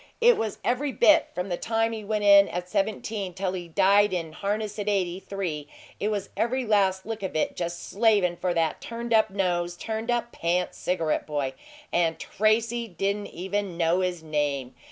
It was every bit from the time he went in at seventeen till he died in harness at eighty three it was every last lick of it just slavin' for that turned up nose, turned up pants cigarette boy. AND TRACY DIDN'T EVEN KNOW HIS NAME!